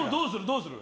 どうする？